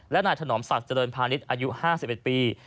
และนายถนอมศักดิ์เจริญพาณิชย์อายุ๕๑ปี